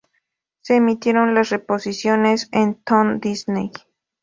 Se emitieron las reposiciones en Toon Disney.